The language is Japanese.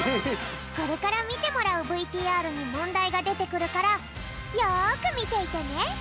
これからみてもらうＶＴＲにもんだいがでてくるからよくみていてね！